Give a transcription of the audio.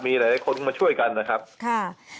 มีหลายคนมาช่วยกันนะครับค่ะ